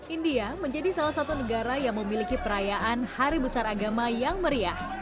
india menjadi salah satu negara yang memiliki perayaan hari besar agama yang meriah